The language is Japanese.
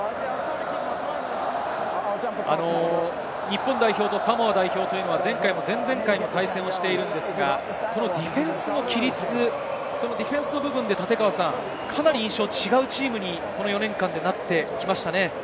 日本代表とサモア代表は前回も前々回も対戦しているんですが、ディフェンスの規律、ディフェンスの部分でかなり印象が違うチームに、この４年間でなってきましたね。